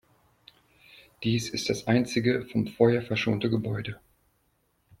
Dies ist das einzige vom Feuer verschonte Gebäude.